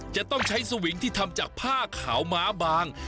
จะต้องใช้สวิงที่ทำจากผ้าขาวม้าบาง